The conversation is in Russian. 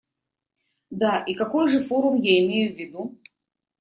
Да, и какой же форум я имею в виду?